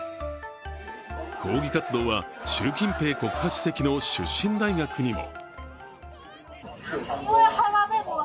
抗議活動は習近平国家主席の出身大学にも。